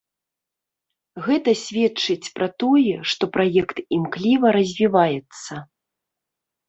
Гэта сведчыць пра тое, што праект імкліва развіваецца.